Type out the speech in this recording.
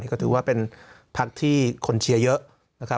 ก็ถือว่าเป็นพักที่คนเชียร์เยอะนะครับ